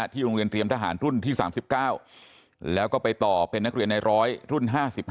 โรงเรียนเตรียมทหารรุ่นที่๓๙แล้วก็ไปต่อเป็นนักเรียนใน๑๐๐รุ่น๕๕